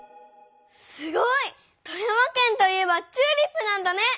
すごい！富山県といえばチューリップなんだね！